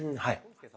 はい。